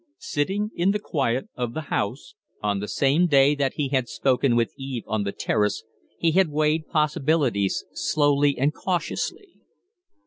Sitting in the quiet of the House, on the same day that he had spoken with Eve on the Terrace, he had weighed possibilities slowly and cautiously.